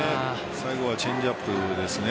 最後はチェンジアップですね。